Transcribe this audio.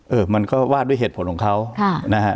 เออมันก็ว่าด้วยเหตุผลของเขานะฮะ